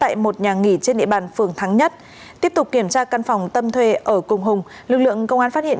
và nghỉ trên địa bàn phường thắng nhất tiếp tục kiểm tra căn phòng tâm thuê ở cùng hùng lực lượng công an phát hiện